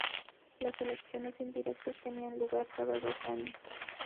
Las elecciones indirectas tenían lugar cada dos años.